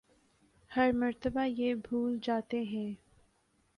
ہر مرتبہ یہ بھول جاتے ہیں